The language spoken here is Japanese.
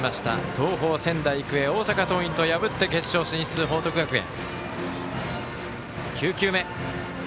東邦、仙台育英、大阪桐蔭と破って、決勝進出、報徳学園。